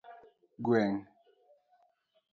Gweng'